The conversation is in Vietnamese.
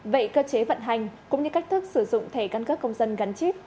vậy cơ chế vận hành cũng như cách thức sử dụng thẻ căn cước công dân gắn chip